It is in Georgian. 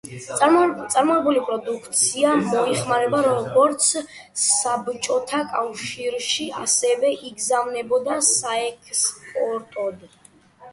წარმოებული პროდუქცია მოიხმარებოდა როგორც საბჭოთა კავშირში, ასევე იგზავნებოდა საექსპორტოდ.